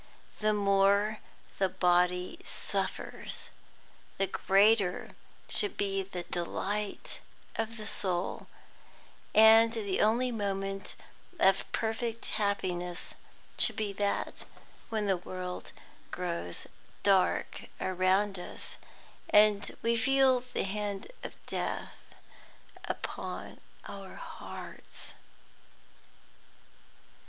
The more the body suffers, the greater should be the delight of the soul; and the only moment of perfect happiness should be that when the world grows dark around us, and we feel the hand of death upon our hearts."